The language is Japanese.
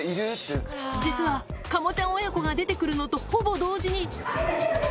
実はカモちゃん親子が出てくるのとほぼ同時に。